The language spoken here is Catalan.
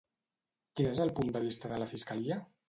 Quin és el punt de vista de la Fiscalia?